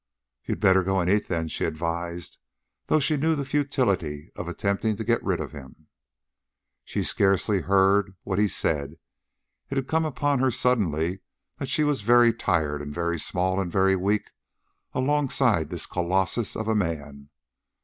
"You'd better go and eat then," she advised, though she knew the futility of attempting to get rid of him. She scarcely heard what he said. It had come upon her suddenly that she was very tired and very small and very weak alongside this colossus of a man.